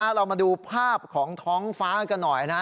เรามาดูภาพของท้องฟ้ากันหน่อยนะ